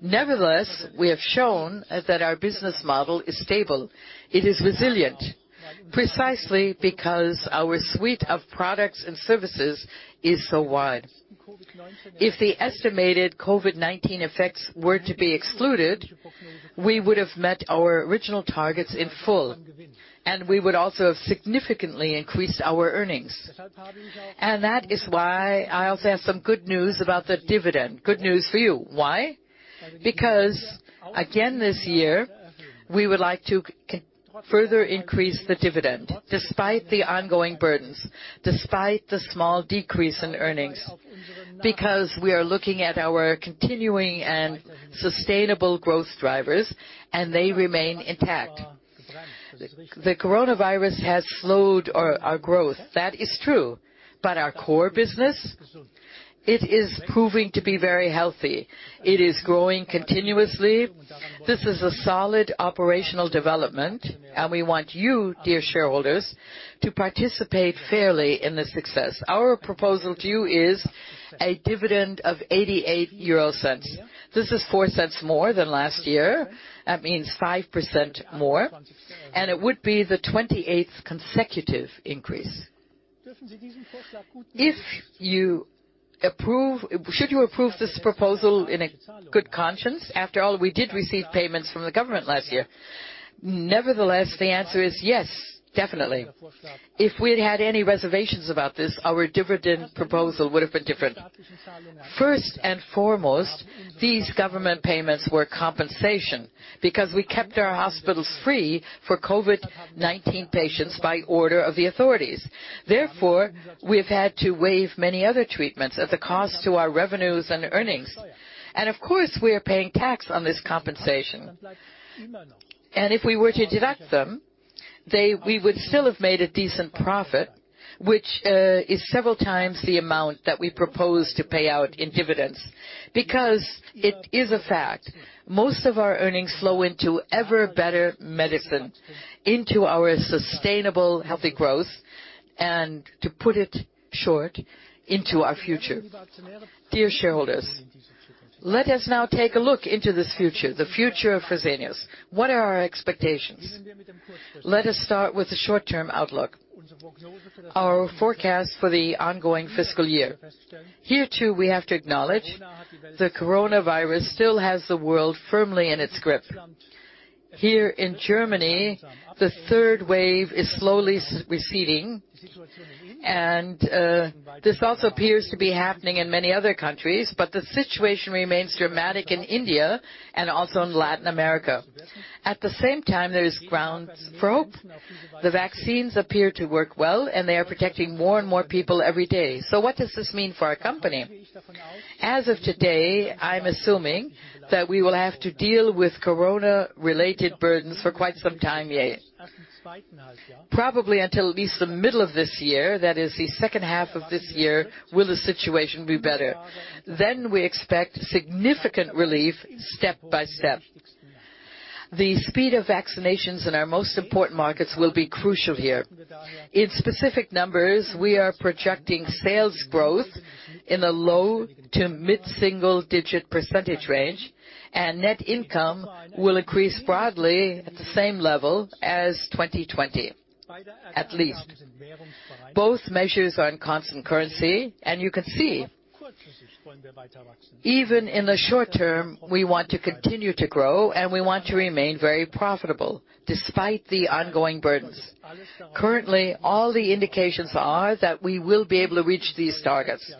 Speaker 2: Nevertheless, we have shown that our business model is stable. It is resilient, precisely because our suite of products and services is so wide. If the estimated COVID-19 effects were to be excluded, we would have met our original targets in full, and we would also have significantly increased our earnings. That is why I also have some good news about the dividend. Good news for you. Why? Again this year, we would like to further increase the dividend despite the ongoing burdens, despite the small decrease in earnings, because we are looking at our continuing and sustainable growth drivers, and they remain intact. The coronavirus has slowed our growth. That is true. Our core business, it is proving to be very healthy. It is growing continuously. This is a solid operational development, and we want you, dear shareholders, to participate fairly in this success. Our proposal to you is a dividend of 0.88. This is 0.04 more than last year. That means 5% more, and it would be the 28th consecutive increase. Should you approve this proposal in a good conscience? After all, we did receive payments from the government last year. Nevertheless, the answer is yes, definitely. If we had had any reservations about this, our dividend proposal would have been different. First and foremost, these government payments were compensation because we kept our hospitals free for COVID-19 patients by order of the authorities. Therefore, we have had to waive many other treatments at the cost to our revenues and earnings. Of course, we are paying tax on this compensation. If we were to deduct them, we would still have made a decent profit, which is several times the amount that we propose to pay out in dividends because it is a fact. Most of our earnings flow into ever better medicine, into our sustainable healthy growth, and to put it short, into our future. Dear shareholders, let us now take a look into this future, the future of Fresenius. What are our expectations? Let us start with the short-term outlook. Our forecast for the ongoing fiscal year. Here, too, we have to acknowledge the coronavirus still has the world firmly in its grip. Here in Germany, the third wave is slowly receding, and this also appears to be happening in many other countries, but the situation remains dramatic in India and also in Latin America. At the same time, there is grounds for hope. The vaccines appear to work well, and they are protecting more and more people every day. What does this mean for our company? As of today, I am assuming that we will have to deal with corona-related burdens for quite some time yet. Probably until at least the middle of this year, that is, the second half of this year, will the situation be better. We expect significant relief step by step. The speed of vaccinations in our most important markets will be crucial here. In specific numbers, we are projecting sales growth in a low to mid-single-digit percentage range. Net income will increase broadly at the same level as 2020, at least. Both measures are in constant currency. You can see. Even in the short term, we want to continue to grow. We want to remain very profitable despite the ongoing burdens. Currently, all the indications are that we will be able to reach these targets.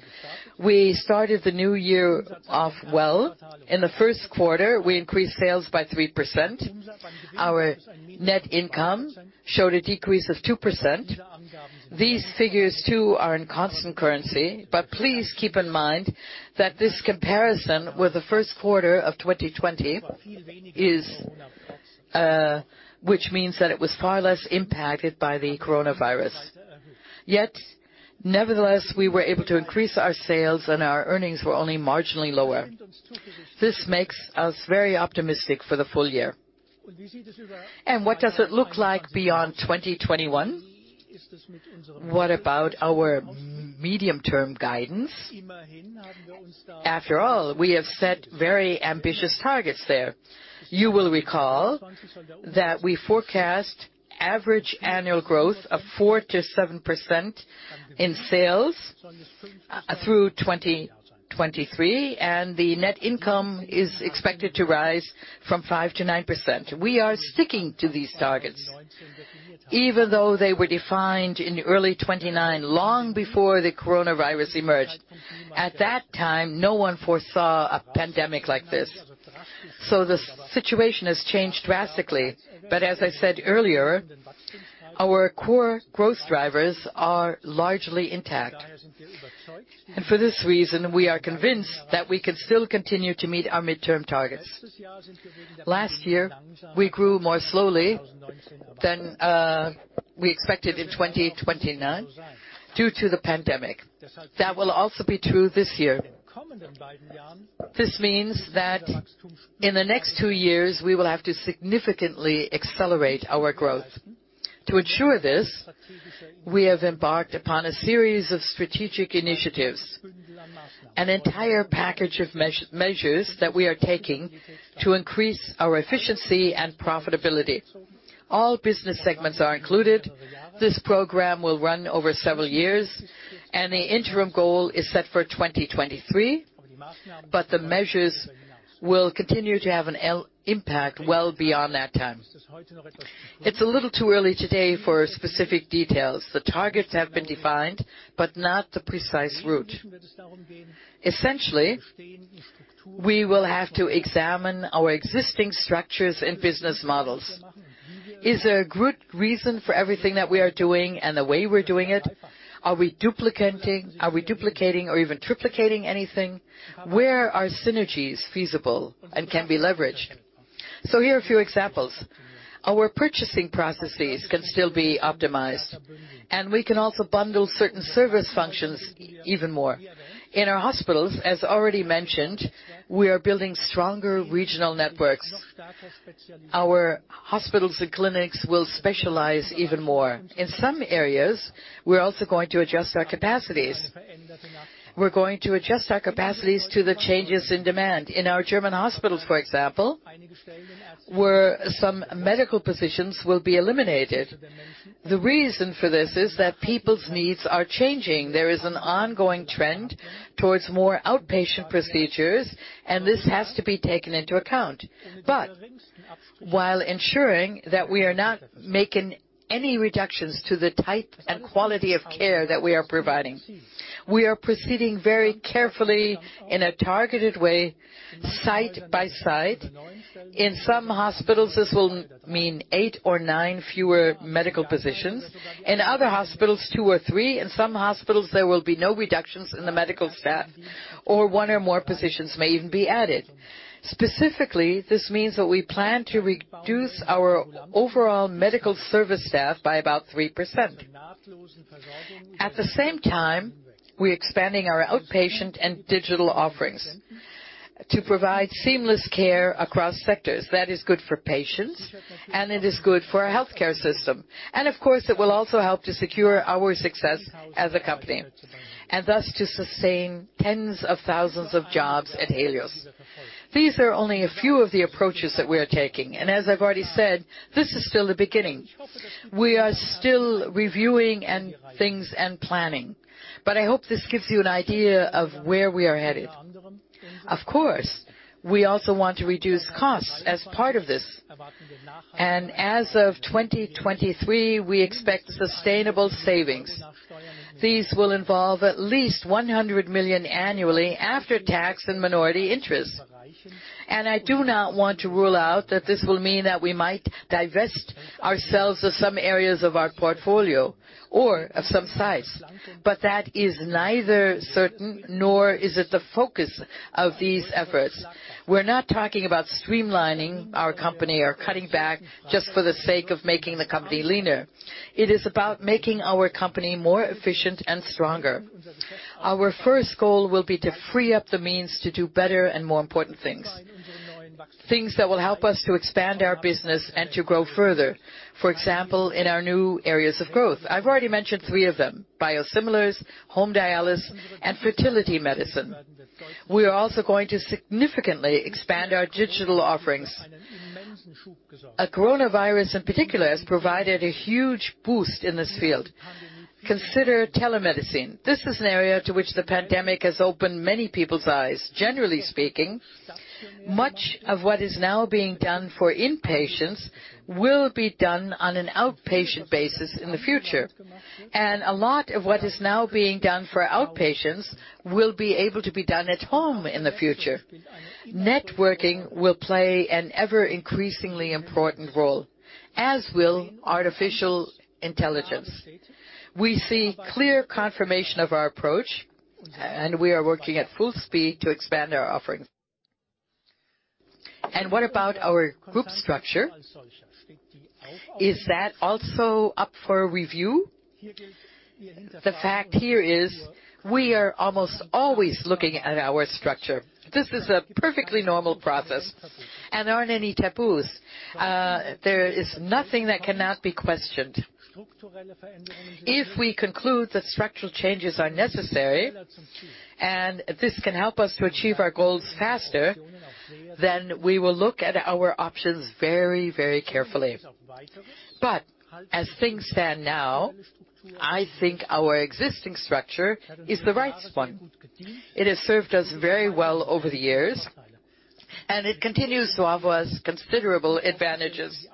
Speaker 2: We started the new year off well. In the first quarter, we increased sales by 3%. Our net income showed a decrease of 2%. These figures, too, are in constant currency. Please keep in mind that this comparison with the first quarter of 2020, which means that it was far less impacted by COVID-19. Nevertheless, we were able to increase our sales and our earnings were only marginally lower. This makes us very optimistic for the full year. What does it look like beyond 2021? What about our medium-term guidance? After all, we have set very ambitious targets there. You will recall that we forecast average annual growth of 4%-7% in sales through 2023, and the net income is expected to rise from 5%-9%. We are sticking to these targets, even though they were defined in early 2019, long before the coronavirus emerged. At that time, no one foresaw a pandemic like this. The situation has changed drastically. As I said earlier, our core growth drivers are largely intact. For this reason, we are convinced that we can still continue to meet our midterm targets. Last year, we grew more slowly than we expected in 2019 due to the pandemic. That will also be true this year. This means that in the next two years, we will have to significantly accelerate our growth. To ensure this, we have embarked upon a series of strategic initiatives, an entire package of measures that we are taking to increase our efficiency and profitability. All business segments are included. This program will run over several years, and the interim goal is set for 2023, but the measures will continue to have an impact well beyond that time. It's a little too early today for specific details. The targets have been defined, but not the precise route. Essentially, we will have to examine our existing structures and business models. Is there a good reason for everything that we are doing and the way we're doing it? Are we duplicating or even triplicating anything? Where are synergies feasible and can be leveraged? Here are a few examples. Our purchasing processes can still be optimized, and we can also bundle certain service functions even more. In our hospitals, as already mentioned, we are building stronger regional networks. Our hospitals and clinics will specialize even more. In some areas, we are also going to adjust our capacities. We're going to adjust our capacities to the changes in demand. In our German hospitals, for example, where some medical positions will be eliminated. The reason for this is that people's needs are changing. There is an ongoing trend towards more outpatient procedures, and this has to be taken into account. While ensuring that we are not making any reductions to the type and quality of care that we are providing. We are proceeding very carefully in a targeted way, site by site. In some hospitals, this will mean eight or nine fewer medical positions. In other hospitals, two or three. In some hospitals, there will be no reductions in the medical staff or one or more positions may even be added. Specifically, this means that we plan to reduce our overall medical service staff by about 3%. We are expanding our outpatient and digital offerings to provide seamless care across sectors. That is good for patients and it is good for our healthcare system. Of course, it will also help to secure our success as a company and thus to sustain tens of thousands of jobs at Helios. These are only a few of the approaches that we are taking. As I've already said, this is still the beginning. We are still reviewing things and planning. I hope this gives you an idea of where we are headed. Of course, we also want to reduce costs as part of this. As of 2023, we expect sustainable savings. These will involve at least 100 million annually after tax and minority interest. I do not want to rule out that this will mean that we might divest ourselves of some areas of our portfolio or of some size. That is neither certain, nor is it the focus of these efforts. We're not talking about streamlining our company or cutting back just for the sake of making the company leaner. It is about making our company more efficient and stronger. Our first goal will be to free up the means to do better and more important things that will help us to expand our business and to grow further. For example, in our new areas of growth. I've already mentioned three of them: biosimilars, home dialysis, and fertility medicine. We are also going to significantly expand our digital offerings. A coronavirus, in particular, has provided a huge boost in this field. Consider telemedicine. This is an area to which the pandemic has opened many people's eyes. Generally speaking, much of what is now being done for inpatients will be done on an outpatient basis in the future, and a lot of what is now being done for outpatients will be able to be done at home in the future. Networking will play an ever increasingly important role, as will artificial intelligence. We see clear confirmation of our approach. We are working at full speed to expand our offerings. What about our group structure? Is that also up for review? The fact here is we are almost always looking at our structure. This is a perfectly normal process and there aren't any taboos. There is nothing that cannot be questioned. If we conclude that structural changes are necessary and this can help us to achieve our goals faster, then we will look at our options very carefully. As things stand now, I think our existing structure is the right one. It has served us very well over the years, and it continues to offer us considerable advantages.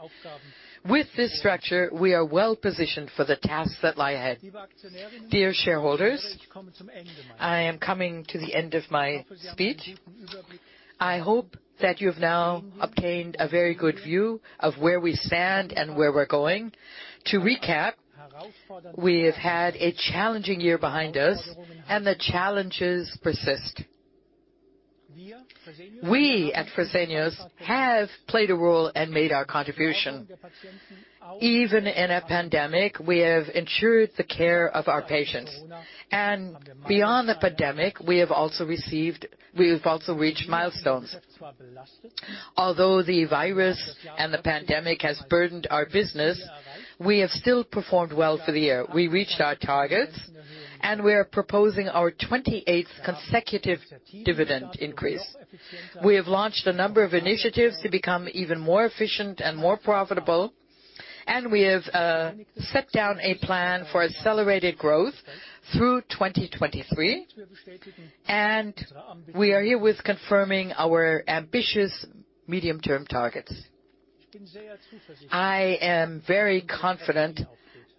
Speaker 2: With this structure, we are well positioned for the tasks that lie ahead. Dear shareholders, I am coming to the end of my speech. I hope that you've now obtained a very good view of where we stand and where we're going. To recap, we have had a challenging year behind us, and the challenges persist. We at Fresenius have played a role and made our contribution. Even in a pandemic, we have ensured the care of our patients. Beyond the pandemic, we have also reached milestones. Although the virus and the pandemic has burdened our business, we have still performed well for the year. We reached our targets, we are proposing our 28th consecutive dividend increase. We have launched a number of initiatives to become even more efficient and more profitable, we have set down a plan for accelerated growth through 2023, we are here with confirming our ambitious medium-term targets. I am very confident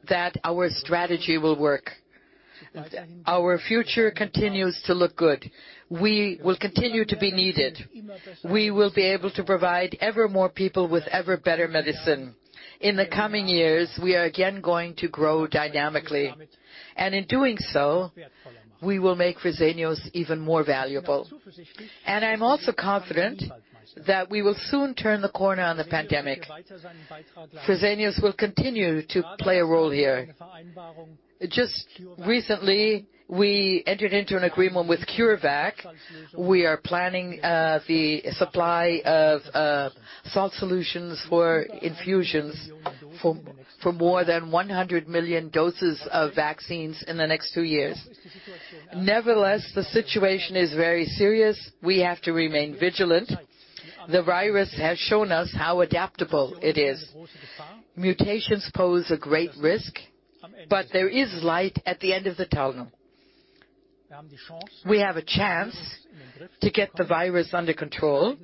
Speaker 2: that our strategy will work. Our future continues to look good. We will continue to be needed. We will be able to provide ever more people with ever better medicine. In the coming years, we are again going to grow dynamically, in doing so, we will make Fresenius even more valuable. I'm also confident that we will soon turn the corner on the pandemic. Fresenius will continue to play a role here. Just recently, we entered into an agreement with CureVac. We are planning the supply of salt solutions for infusions for more than 100 million doses of vaccines in the next two years. Nevertheless, the situation is very serious. We have to remain vigilant. The virus has shown us how adaptable it is. Mutations pose a great risk. There is light at the end of the tunnel. We have a chance to get the virus under control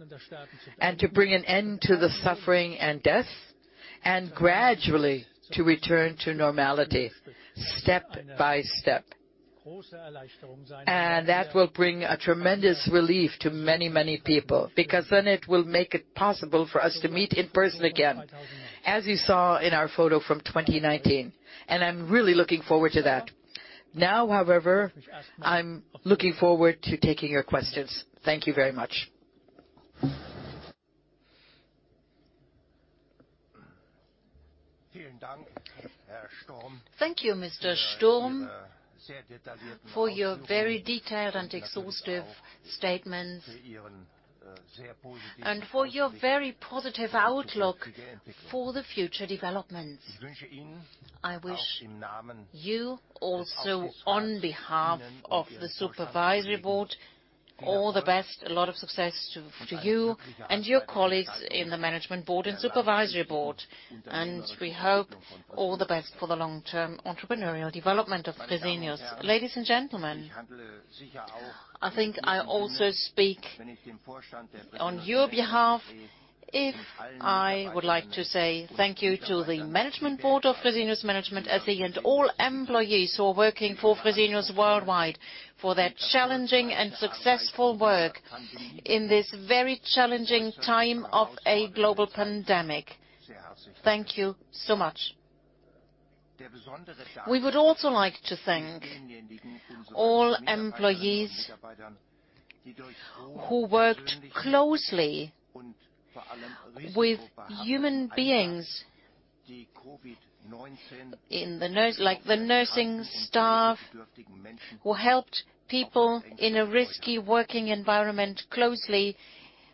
Speaker 2: and to bring an end to the suffering and death, gradually to return to normality step by step. That will bring a tremendous relief to many people because then it will make it possible for us to meet in person again, as you saw in our photo from 2019. I'm really looking forward to that. Now, however, I'm looking forward to taking your questions. Thank you very much.
Speaker 1: Thank you, Mr. Sturm, for your very detailed and exhaustive statement and for your very positive outlook for the future developments. I wish you also on behalf of the Supervisory Board all the best, a lot of success to you and your colleagues in the Management Board and Supervisory Board, and we hope all the best for the long-term entrepreneurial development of Fresenius. Ladies and gentlemen, I think I also speak on your behalf if I would like to say thank you to the Management Board of Fresenius Management SE and all employees who are working for Fresenius worldwide for their challenging and successful work in this very challenging time of a global pandemic. Thank you so much. We would also like to thank all employees who worked closely with human beings like the nursing staff who helped people in a risky working environment closely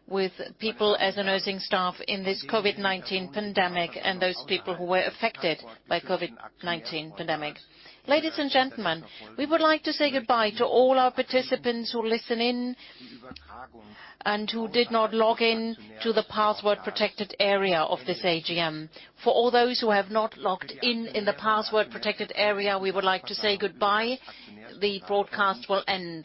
Speaker 1: with people as a nursing staff in this COVID-19 pandemic and those people who were affected by COVID-19 pandemic. Ladies and gentlemen, we would like to say goodbye to all our participants who listened in and who did not log in to the password-protected area of this AGM. For all those who have not logged in in the password-protected area, we would like to say goodbye. The broadcast will end now.